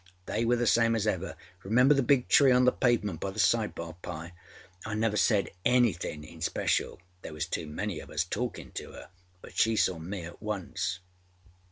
They were the same as ever. (Remember the big tree on the pavement by the side bar, Pye?) I never said anythinâ in special (there was too many of us talkinâ to her), but she saw me at once.